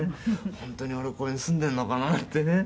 「本当に俺ここに住んでいるのかな？なんてね」